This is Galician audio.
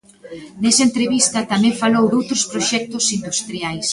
Nesa entrevista tamén falou doutros proxectos industriais.